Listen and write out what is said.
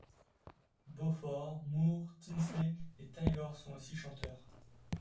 Beauford, Moore, Tinsley et Taylor sont aussi chanteurs.